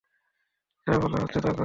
যা বলা হচ্ছে, তা করো।